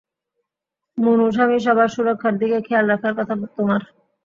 মুনুসামি সবার সুরক্ষার দিকে খেয়াল রাখার কথা তোমার।